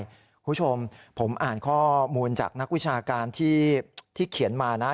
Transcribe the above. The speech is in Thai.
คุณผู้ชมผมอ่านข้อมูลจากนักวิชาการที่เขียนมานะ